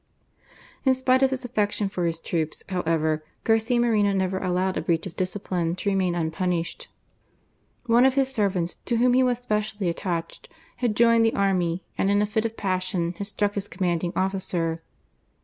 In spite of his affection for his troops, however, Garcia Moreno never allowed a breach of discipline to remain unpunished. One of his servants, to whom he was specially attached, had joined the army, and in a fit of passion, had struck his commanding officer.